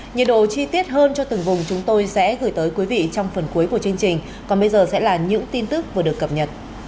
nhiệt độ chi tiết hơn cho từng vùng chúng tôi sẽ gửi tới quý vị trong phần cuối của chương trình